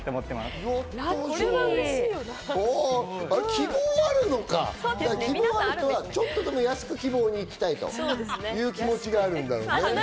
希望がある人は、ちょっとでも安く希望のところに行きたいという気持ちがあるんだろうね。